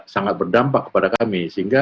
sangat berdampak kepada kami